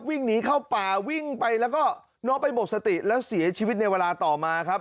วิ่งหนีเข้าป่าวิ่งไปแล้วก็น้องไปหมดสติแล้วเสียชีวิตในเวลาต่อมาครับ